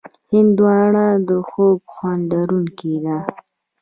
هندوانه د خوږ خوند لرونکې ده.